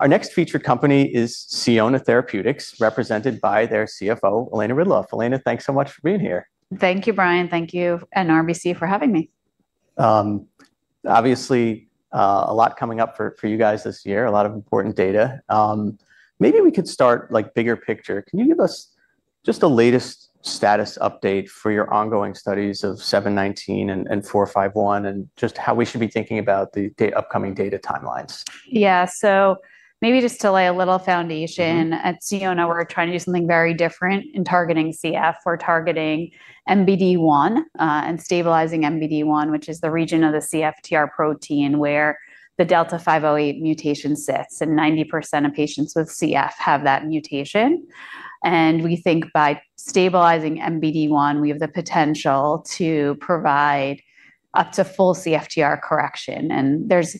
Our next featured company is Sionna Therapeutics, represented by their CFO, Elena Ridloff. Elena, thanks so much for being here. Thank you, Brian. Thank you, and RBC for having me. Obviously, a lot coming up for you guys this year, a lot of important data. Maybe we could start bigger picture. Can you give us just the latest status update for your ongoing studies of 719 and 451, and just how we should be thinking about the upcoming data timelines? Yeah. Maybe just to lay a little foundation. At Sionna, we're trying to do something very different in targeting CF. We're targeting NBD1, and stabilizing NBD1, which is the region of the CFTR protein where the Delta F508 mutation sits, and 90% of patients with CF have that mutation. We think by stabilizing NBD1, we have the potential to provide up to full CFTR correction. There's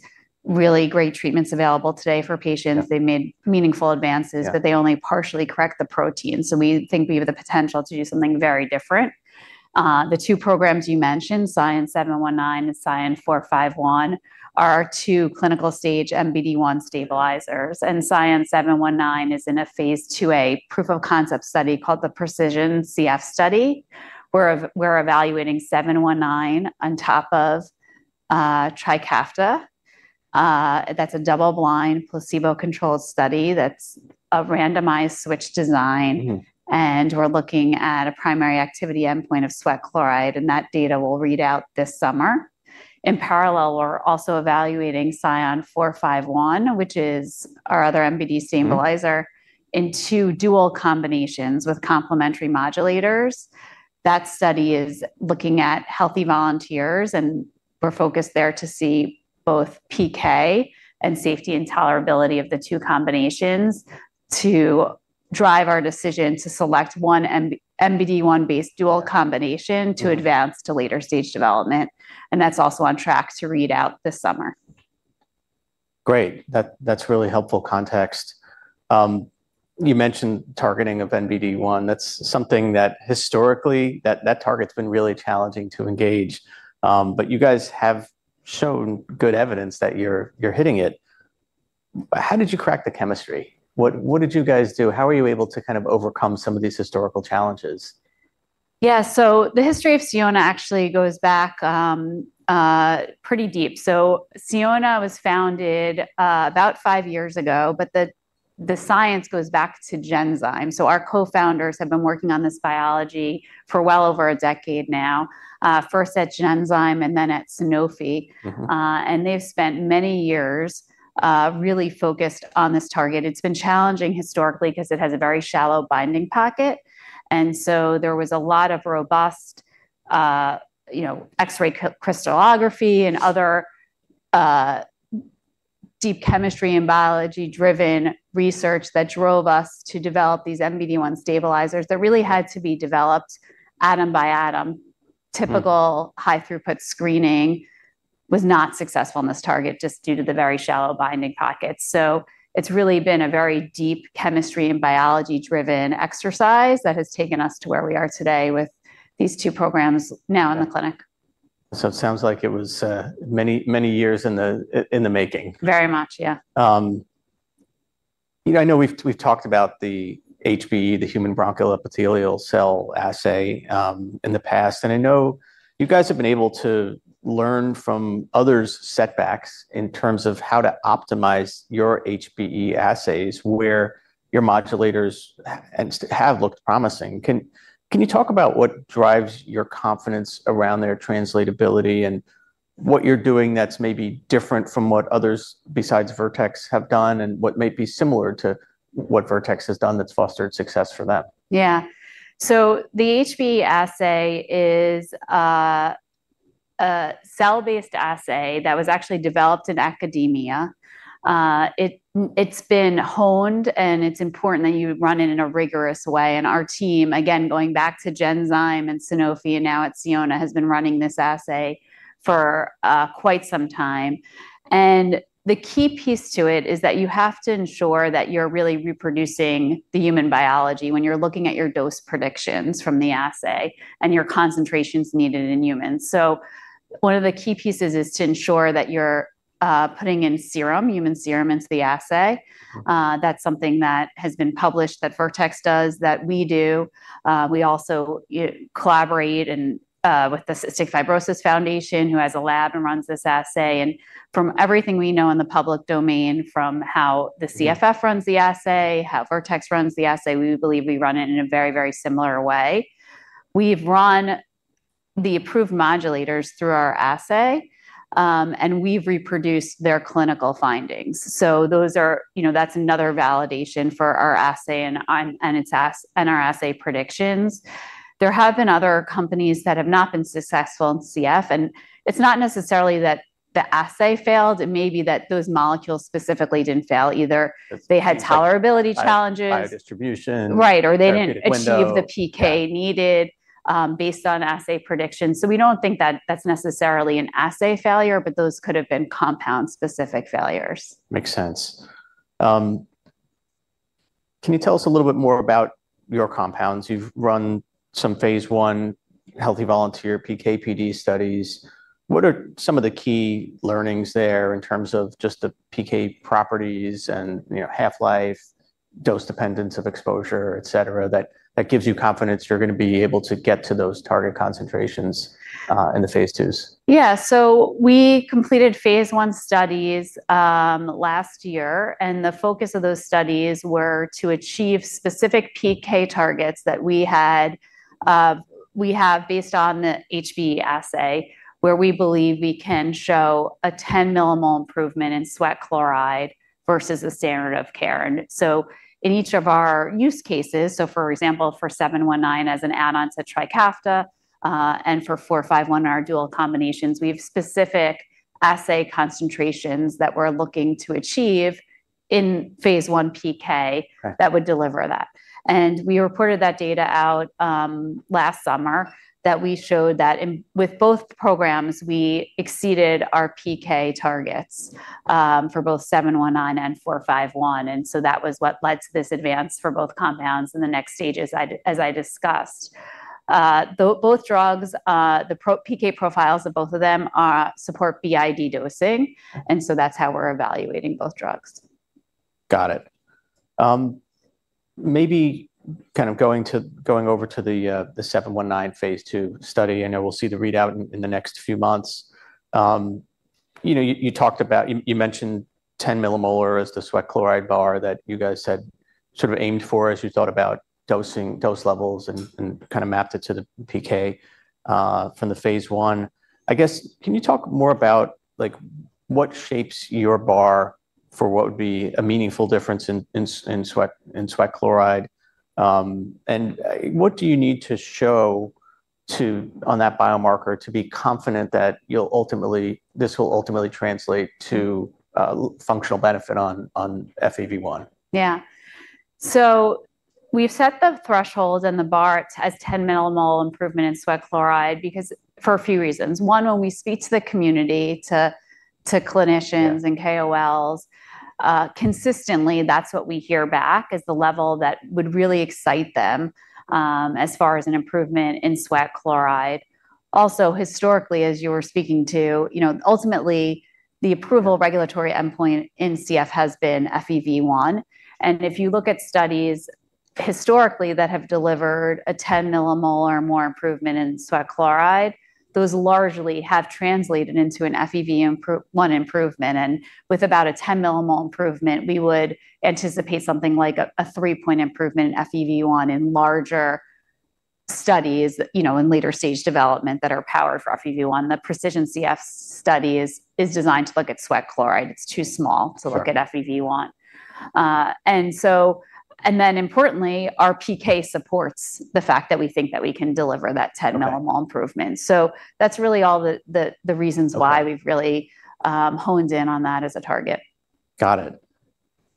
really great treatments available today for patients. They've made meaningful advances. Yeah They only partially correct the protein. We think we have the potential to do something very different. The two programs you mentioned, SION-719 and SION-451, are our two clinical stage NBD1 stabilizers. SION-719 is in a phase IIa proof-of-concept study called the PreciSION CF study, where we're evaluating 719 on top of TRIKAFTA. That's a double-blind, placebo-controlled study that's a randomized switch design. We're looking at a primary activity endpoint of sweat chloride, and that data will read out this summer. In parallel, we're also evaluating SION-451, which is our other NBD1 stabilizer, in two dual combinations with complementary modulators. That study is looking at healthy volunteers, we're focused there to see both PK and safety and tolerability of the two combinations to drive our decision to select one NBD1-based dual combination to advance to later-stage development. That's also on track to read out this summer. Great. That's really helpful context. You mentioned targeting of NBD1. That's something that historically, that target's been really challenging to engage. You guys have shown good evidence that you're hitting it. How did you crack the chemistry? What did you guys do? How were you able to kind of overcome some of these historical challenges? Yeah, the history of Sionna actually goes back pretty deep. Sionna was founded about five years ago, but the science goes back to Genzyme. Our co-founders have been working on this biology for well over a decade now. First at Genzyme and then at Sanofi. They've spent many years really focused on this target. It's been challenging historically because it has a very shallow binding pocket, there was a lot of robust X-ray crystallography and other deep chemistry and biology-driven research that drove us to develop these NBD1 stabilizers that really had to be developed atom by atom. Typical high throughput screening was not successful in this target just due to the very shallow binding pockets. It's really been a very deep chemistry and biology-driven exercise that has taken us to where we are today with these two programs now in the clinic. It sounds like it was many years in the making. Very much, yeah. I know we've talked about the HBE, the human bronchial epithelial cell assay, in the past. I know you guys have been able to learn from others' setbacks in terms of how to optimize your HBE assays, where your modulators have looked promising. Can you talk about what drives your confidence around their translatability and what you're doing that's maybe different from what others besides Vertex have done? What might be similar to what Vertex has done that's fostered success for them? Yeah. The HBE assay is a cell-based assay that was actually developed in academia. It's been honed, it's important that you run it in a rigorous way. Our team, again, going back to Genzyme and Sanofi, and now at Sionna, has been running this assay for quite some time. The key piece to it is that you have to ensure that you're really reproducing the human biology when you're looking at your dose predictions from the assay and your concentrations needed in humans. One of the key pieces is to ensure that you're putting in serum, human serum into the assay. That's something that has been published that Vertex does, that we do. We also collaborate with the Cystic Fibrosis Foundation, who has a lab and runs this assay. From everything we know in the public domain, from how the CFF runs the assay, how Vertex runs the assay, we believe we run it in a very, very similar way. We've run the approved modulators through our assay, and we've reproduced their clinical findings. That's another validation for our assay and our assay predictions. There have been other companies that have not been successful in CF, and it's not necessarily that the assay failed. It may be that those molecules specifically didn't fail either. They had tolerability challenges. Bio-distribution. Right. Therapeutic window. achieve the PK needed based on assay predictions. We don't think that's necessarily an assay failure, but those could have been compound-specific failures. Makes sense. Can you tell us a little bit more about your compounds? You've run some phase I healthy volunteer PK/PD studies. What are some of the key learnings there in terms of just the PK properties and half-life dose dependence of exposure, et cetera, that gives you confidence you're going to be able to get to those target concentrations in the phase IIs? Yeah. We completed phase I studies last year, the focus of those studies were to achieve specific PK targets that we have based on the HBE assay, where we believe we can show a 10 millimole improvement in sweat chloride versus the standard of care. In each of our use cases, for example, for 719 as an add-on to TRIKAFTA, and for 451, our dual combinations, we have specific assay concentrations that we're looking to achieve in phase I PK- Correct that would deliver that. We reported that data out last summer that we showed that with both programs, we exceeded our PK targets for both 719 and 451. That was what led to this advance for both compounds in the next stages, as I discussed. Both drugs, the PK profiles of both of them support BID dosing. That's how we're evaluating both drugs. Got it. Maybe going over to the 719 phase II study, I know we'll see the readout in the next few months. You mentioned 10 millimole as the sweat chloride bar that you guys had sort of aimed for as you thought about dosing dose levels and kind of mapped it to the PK from the phase I. I guess, can you talk more about what shapes your bar for what would be a meaningful difference in sweat chloride? What do you need to show on that biomarker to be confident that this will ultimately translate to functional benefit on FEV1? Yeah. We've set the threshold and the bar as 10 millimole improvement in sweat chloride, for a few reasons. One, when we speak to the community, to clinicians, and KOLs, consistently, that's what we hear back as the level that would really excite them as far as an improvement in sweat chloride. Historically, as you were speaking to, ultimately, the approval regulatory endpoint in CF has been FEV1. If you look at studies historically that have delivered a 10 millimole or more improvement in sweat chloride, those largely have translated into an FEV1 improvement. With about a 10 millimole improvement, we would anticipate something like a three-point improvement in FEV1 in larger studies in later stage development that are powered for FEV1. The PreciSION CF study is designed to look at sweat chloride. It's too small to look at FEV1. Sure. Importantly, our PK supports the fact that we think that we can deliver that 10 millimole improvement. That's really all the reasons why we've really honed in on that as a target. Got it.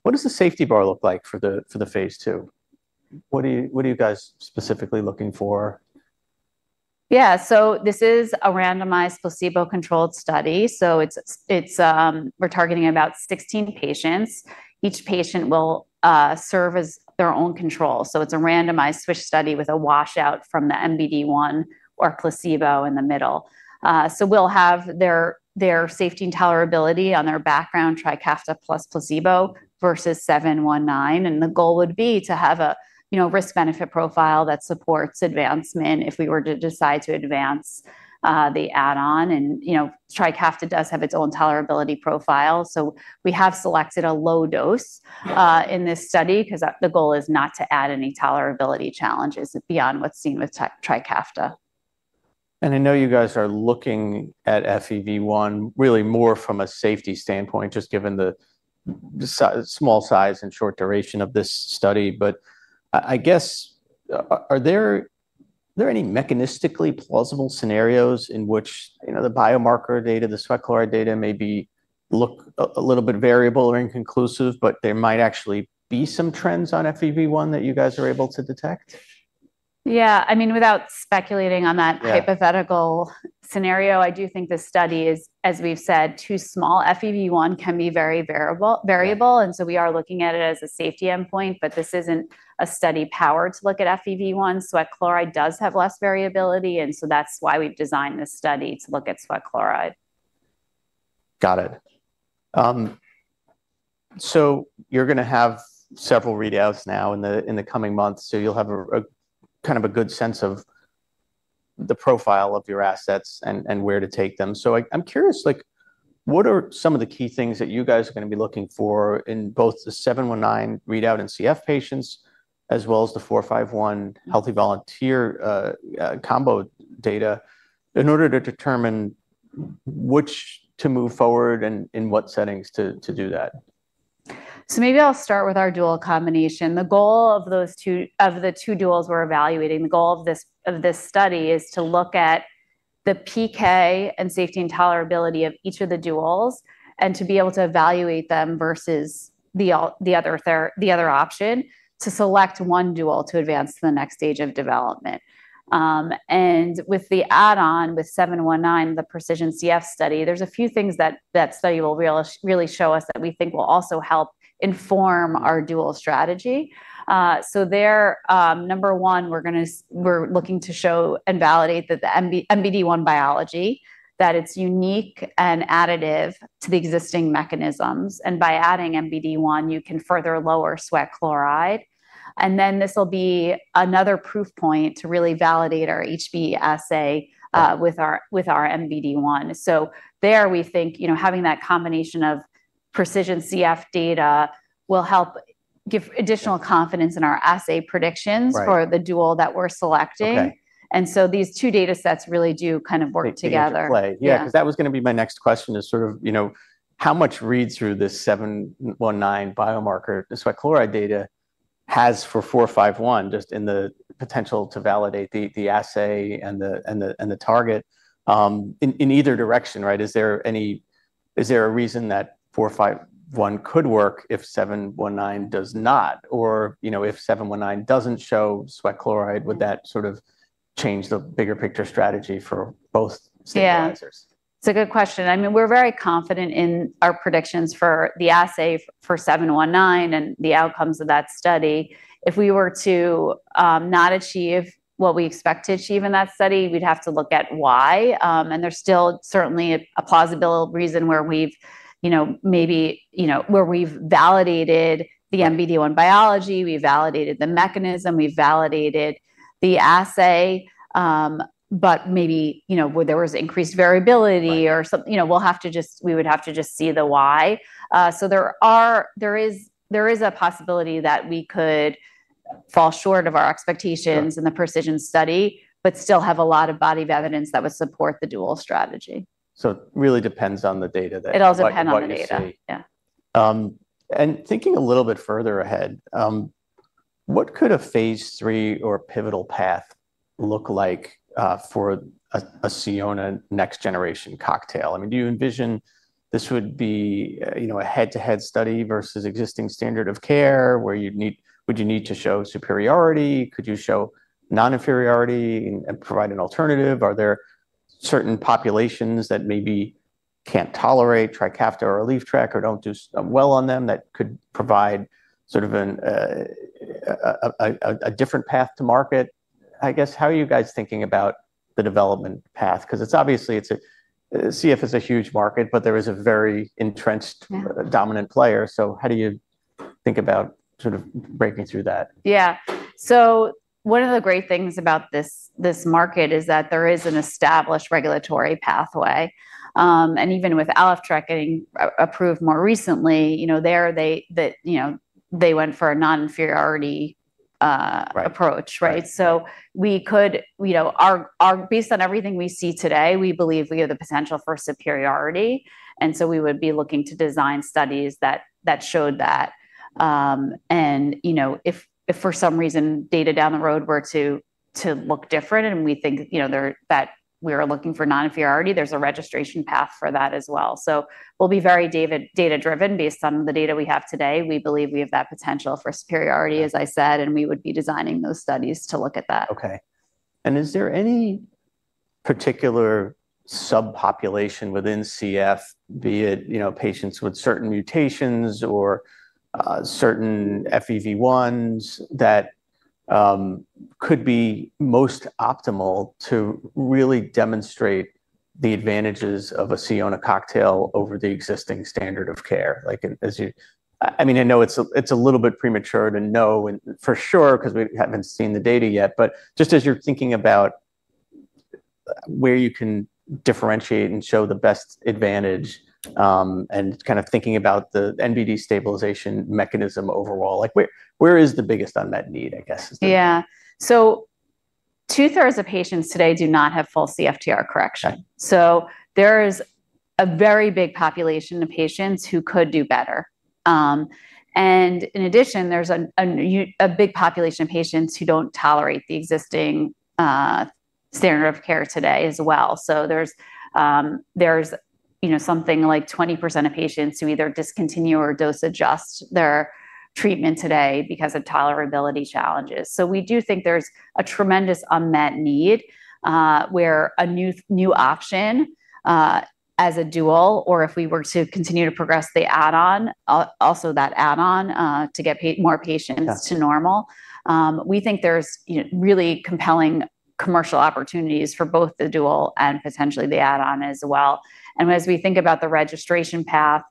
What does the safety bar look like for the phase II? What are you guys specifically looking for? This is a randomized placebo-controlled study. We're targeting about 16 patients. Each patient will serve as their own control. It's a randomized switch study with a washout from the NBD1 or placebo in the middle. We'll have their safety and tolerability on their background TRIKAFTA plus placebo versus 719. The goal would be to have a risk-benefit profile that supports advancement if we were to decide to advance the add-on. TRIKAFTA does have its own tolerability profile. We have selected a low dose in this study because the goal is not to add any tolerability challenges beyond what's seen with TRIKAFTA. I know you guys are looking at FEV1 really more from a safety standpoint, just given the small size and short duration of this study. I guess, are there any mechanistically plausible scenarios in which the biomarker data, the sweat chloride data maybe look a little bit variable or inconclusive, but there might actually be some trends on FEV1 that you guys are able to detect? Yeah. Without speculating on that hypothetical scenario, I do think this study is, as we've said, too small. FEV1 can be very variable. We are looking at it as a safety endpoint, but this isn't a study powered to look at FEV1. Sweat chloride does have less variability, that's why we've designed this study to look at sweat chloride. Got it. You're going to have several readouts now in the coming months, so you'll have a kind of a good sense of the profile of your assets and where to take them. I'm curious, what are some of the key things that you guys are going to be looking for in both the 719 readout in CF patients as well as the 451 healthy volunteer combo data in order to determine which to move forward and in what settings to do that? Maybe I'll start with our dual combination. The goal of this study is to look at the PK and safety and tolerability of each of the duals, and to be able to evaluate them versus the other option, to select one dual to advance to the next stage of development. With the add-on, with 719, the PreciSION CF study, there's a few things that that study will really show us that we think will also help inform our dual strategy. There, number one, we're looking to show and validate the NBD1 biology, that it's unique and additive to the existing mechanisms. By adding NBD1, you can further lower sweat chloride. This will be another proof point to really validate our HBE assay with our NBD1. There, we think, having that combination of PreciSION CF data will help give additional confidence in our assay predictions. Right for the dual that we're selecting. Okay. These two data sets really do kind of work together. Interplay. Yeah. That was going to be my next question is sort of, how much read through this 719 biomarker, the sweat chloride data, has for 451, just in the potential to validate the assay and the target in either direction. Is there a reason that 451 could work if 719 does not? If 719 doesn't show sweat chloride, would that sort of change the bigger picture strategy for both stabilizers? Yeah. It's a good question. We're very confident in our predictions for the assay for 719 and the outcomes of that study. If we were to not achieve what we expect to achieve in that study, we'd have to look at why. There's still certainly a plausible reason where we've validated the NBD1 biology, we validated the mechanism, we validated the assay, but maybe there was increased variability or something. We would have to just see the why. There is a possibility that we could fall short of our expectations. Sure in the PreciSION CF study, but still have a lot of body of evidence that would support the dual strategy. It really depends on the data. It all depends on the data. what you see. Yeah. Thinking a little bit further ahead, what could a phase III or pivotal path look like for a Sionna next generation cocktail? Do you envision this would be a head-to-head study versus existing standard of care? Would you need to show superiority? Could you show non-inferiority and provide an alternative? Are there certain populations that maybe can't tolerate TRIKAFTA or ALYFTREK, or don't do well on them, that could provide sort of a different path to market? I guess, how are you guys thinking about the development path? Because obviously CF is a huge market, but there is a very entrenched- Yeah dominant player. How do you think about sort of breaking through that? Yeah. One of the great things about this market is that there is an established regulatory pathway. Even with ALYFTREK getting approved more recently, there they went for a non-inferiority approach. Based on everything we see today, we believe we have the potential for superiority, and so we would be looking to design studies that showed that. If for some reason data down the road were to look different and we think that we're looking for non-inferiority, there's a registration path for that as well. We'll be very data-driven. Based on the data we have today, we believe we have that potential for superiority, as I said, and we would be designing those studies to look at that. Okay. Is there any particular subpopulation within CF, be it patients with certain mutations or certain FEV1s, that could be most optimal to really demonstrate the advantages of a Sionna cocktail over the existing standard of care? I know it's a little bit premature to know for sure because we haven't seen the data yet, but just as you're thinking about where you can differentiate and show the best advantage, and kind of thinking about the NBD1 stabilization mechanism overall, where is the biggest unmet need, I guess? Yeah. 2/3 of patients today do not have full CFTR correction. There is a very big population of patients who could do better. In addition, there's a big population of patients who don't tolerate the existing standard of care today as well. There's something like 20% of patients who either discontinue or dose adjust their treatment today because of tolerability challenges. We do think there's a tremendous unmet need, where a new option as a dual, or if we were to continue to progress the add-on, also that add-on to get more patients. Got it. to normal. We think there's really compelling commercial opportunities for both the dual and potentially the add-on as well. As we think about the registration path,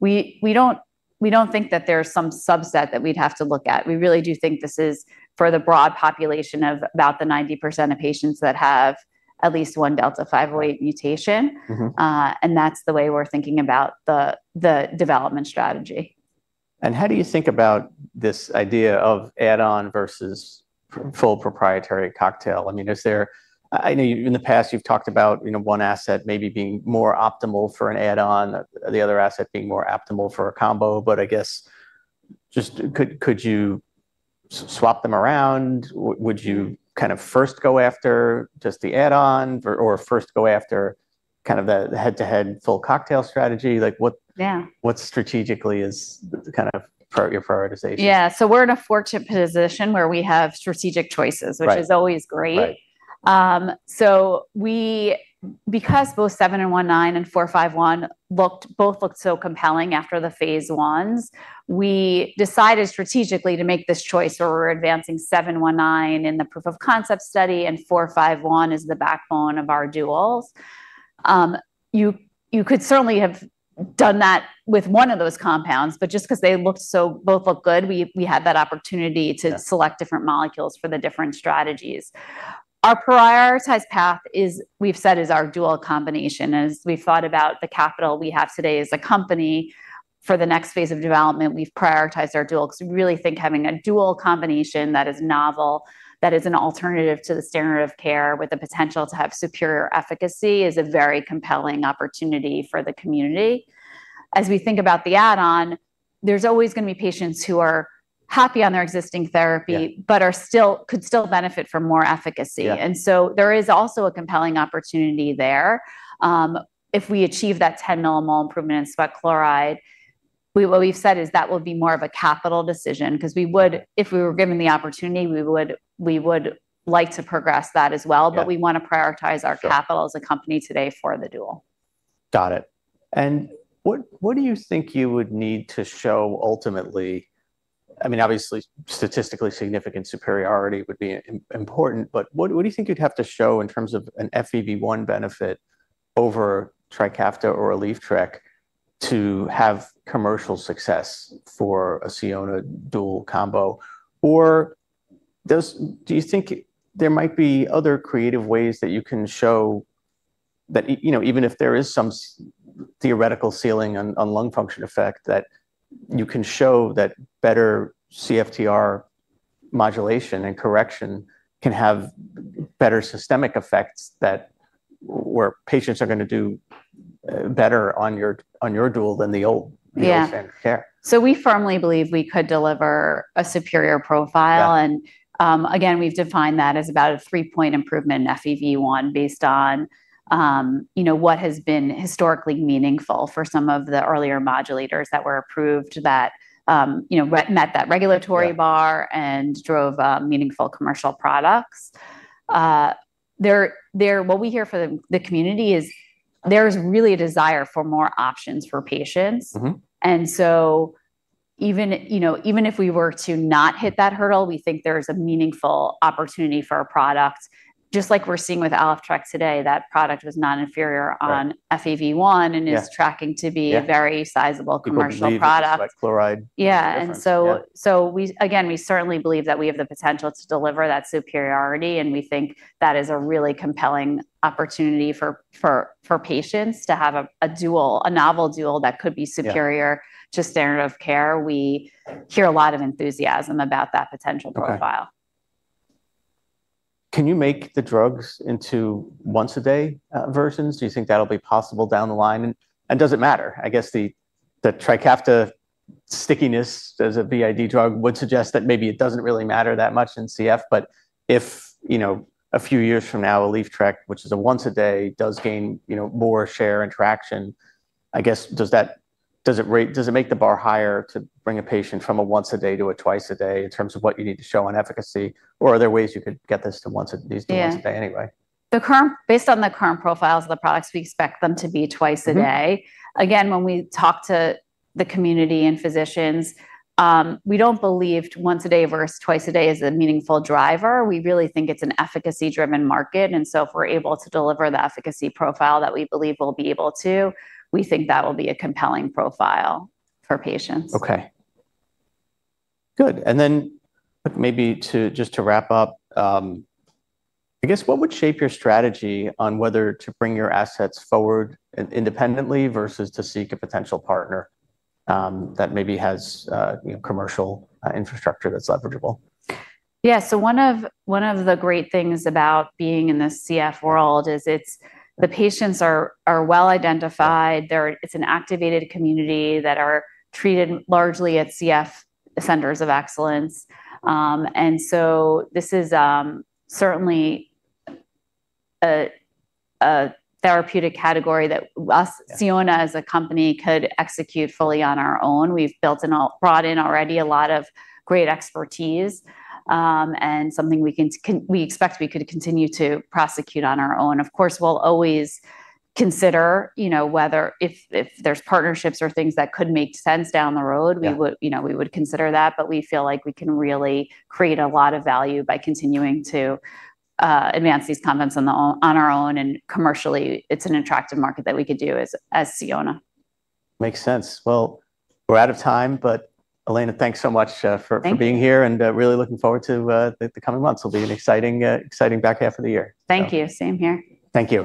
we don't think that there's some subset that we'd have to look at. We really do think this is for the broad population of about the 90% of patients that have at least one Delta F508 mutation. That's the way we're thinking about the development strategy. How do you think about this idea of add-on versus full proprietary cocktail? I know in the past you've talked about one asset maybe being more optimal for an add-on, the other asset being more optimal for a combo. I guess just could you swap them around? Would you first go after just the add-on or first go after the head-to-head full cocktail strategy? Yeah. What strategically is your prioritization? Yeah. We're in a fortunate position where we have strategic choices. Right which is always great. Right. Because both 719 and 451 both looked so compelling after the phase Is, we decided strategically to make this choice where we're advancing 719 in the proof of concept study, and 451 is the backbone of our duals. You could certainly have done that with one of those compounds, but just because both looked good, we had that opportunity. Yeah. To select different molecules for the different strategies. Our prioritized path we've said is our dual combination. As we thought about the capital we have today as a company for the next phase of development, we've prioritized our dual because we really think having a dual combination that is novel, that is an alternative to the standard of care with the potential to have superior efficacy is a very compelling opportunity for the community. As we think about the add-on, there's always going to be patients who are happy on their existing therapy but Yeah ..could still benefit from more efficacy. Yeah. There is also a compelling opportunity there. If we achieve that 10 millimole improvement in sweat chloride, what we've said is that will be more of a capital decision, because if we were given the opportunity, we would like to progress that as well. Yeah. We want to prioritize our capital as a company today for the dual. Got it. What do you think you would need to show ultimately, obviously statistically significant superiority would be important, but what do you think you'd have to show in terms of an FEV1 benefit over TRIKAFTA or ALYFTREK to have commercial success for a Sionna dual combo? Do you think there might be other creative ways that you can show that even if there is some theoretical ceiling on lung function effect, that you can show that better CFTR modulation and correction can have better systemic effects where patients are going to do better on your dual than the old Yeah standard of care? We firmly believe we could deliver a superior profile. Yeah. Again, we've defined that as about a three-point improvement in FEV1 based on what has been historically meaningful for some of the earlier modulators that were approved that met that regulatory bar and drove meaningful commercial products. What we hear from the community is there's really a desire for more options for patients. Even if we were to not hit that hurdle, we think there's a meaningful opportunity for our product, just like we're seeing with ALYFTREK today. That product was non-inferior on- Right FEV1 and is tracking. Yeah to be a very sizable commercial product. People believe that the sweat chloride shows a difference. Yeah. Yeah. Again, we certainly believe that we have the potential to deliver that superiority, and we think that is a really compelling opportunity for patients to have a novel dual that could be superior-. Yeah to standard of care. We hear a lot of enthusiasm about that potential profile. Okay. Can you make the drugs into once-a-day versions? Do you think that'll be possible down the line? Does it matter? I guess the TRIKAFTA stickiness as a BID drug would suggest that maybe it doesn't really matter that much in CF, but if a few years from now, ALYFTREK, which is a once-a-day, does gain more share and traction, I guess does it make the bar higher to bring a patient from a once-a-day to a twice-a-day in terms of what you need to show on efficacy? Are there ways you could get these to- Yeah once a day anyway? Based on the current profiles of the products, we expect them to be twice a day. Again, when we talk to the community and physicians, we don't believe once a day versus twice a day is a meaningful driver. We really think it's an efficacy-driven market, and so if we're able to deliver the efficacy profile that we believe we'll be able to, we think that'll be a compelling profile for patients. Okay. Good. Maybe just to wrap up, I guess what would shape your strategy on whether to bring your assets forward independently versus to seek a potential partner that maybe has commercial infrastructure that's leverageable? Yeah. One of the great things about being in the CF world is the patients are well identified. It's an activated community that are treated largely at CF Centers of Excellence. This is certainly a therapeutic category that Sionna, as a company, could execute fully on our own. We've brought in already a lot of great expertise, and something we expect we could continue to prosecute on our own. Of course, we'll always consider if there's partnerships or things that could make sense down the road. Yeah We would consider that, but we feel like we can really create a lot of value by continuing to advance these compounds on our own, and commercially, it's an attractive market that we could do as Sionna. Makes sense. Well, we're out of time, Elena, thanks so much. Thank you. for being here, and really looking forward to the coming months. It'll be an exciting back half of the year. Thank you. Same here. Thank you.